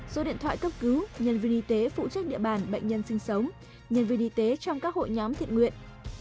số điện thoại cấp cứu nhân viên y tế phụ trách địa bàn bệnh nhân sinh sống nhân viên y tế trong các hội nhóm thiện nguyện